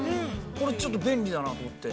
これ、ちょっと便利だなと思って。